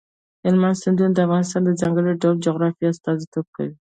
هلمند سیند د افغانستان د ځانګړي ډول جغرافیه استازیتوب کوي.